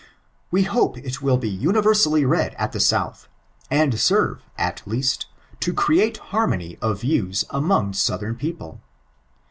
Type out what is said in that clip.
We hope it will be universally read at the Sooth, and serve, at least, to create harmony of viewa among aonthem people.